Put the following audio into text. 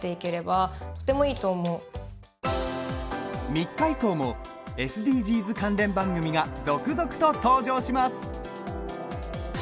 ３日以降もＳＤＧｓ関連番組が続々と登場します。